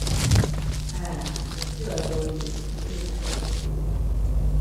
Ah! D netta i d aẓru-iw, i d leslak-iw.